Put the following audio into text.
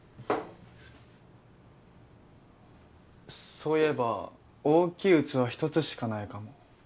そういえば大きい器１つしかないかも。